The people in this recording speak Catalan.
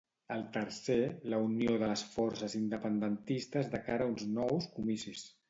El tercer, la unió de les forces independentistes de cara a uns nous comicis.